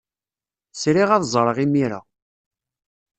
Sriɣ ad ẓreɣ imir-a.